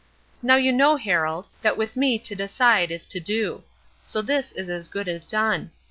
Now you know, Harold, that with me to decide is to do; so this is as good as done.